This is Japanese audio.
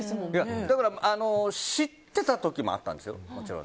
だから、知ってた時もあったんです。